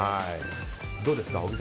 どうですか。